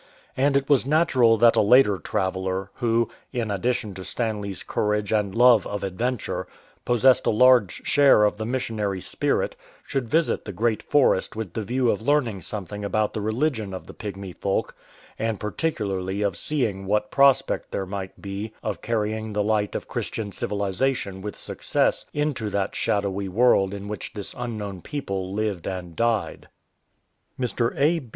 And it was natural that a later traveller, who, in addition to Stanley^s courage and love of adventure, possessed a large share of the missionary spirit, should visit the Great Forest with the view of learning something about the religion of the Pygmy folk, and particularly of seeing what prospect there might be of carrying the light of Christian civilization with success into that shadowy world in which this unknown people lived and died. Mr. A.